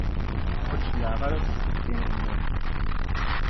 Ur d-cliɛeɣ ara seg ddin-nwen.